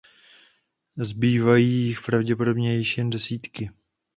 Zbývají jich pravděpodobně již jen desítky.